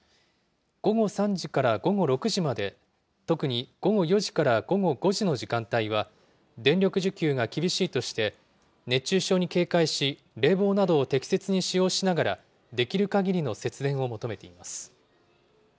午後３時から午後６時まで、特に午後４時から午後５時の時間帯は、電力需給が厳しいとして、熱中症に警戒し、冷房などを適切に使用しながら、できるかぎりの節電を求めています。